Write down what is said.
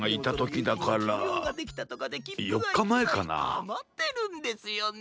あまってるんですよね。